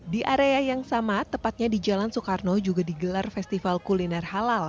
di area yang sama tepatnya di jalan soekarno juga digelar festival kuliner halal